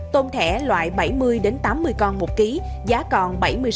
tôm thẻ loại bảy mươi tám mươi con một kg giá còn